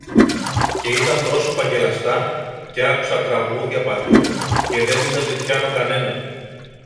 Και είδα πρόσωπα γελαστά, και άκουσα τραγούδια παντού, και δεν είδα ζητιάνο κανένα.